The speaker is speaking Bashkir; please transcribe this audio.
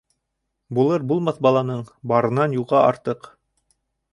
Булыр-булмаҫ баланың барынан юғы артыҡ.